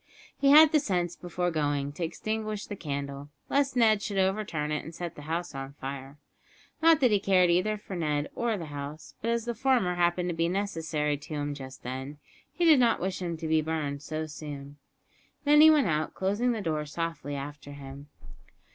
He had the sense, before going, to extinguish the candle, lest Ned should overturn it and set the house on fire; not that he cared either for Ned or the house, but as the former happened to be necessary to him just then, he did not wish him to be burned too soon. Then he went out, closing the door softly after him.